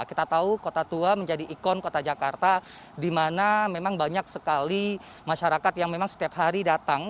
kita tahu kota tua menjadi ikon kota jakarta di mana memang banyak sekali masyarakat yang memang setiap hari datang